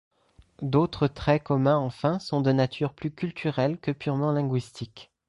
D'autres traits communs enfin sont de nature plus culturelle que purement linguistique.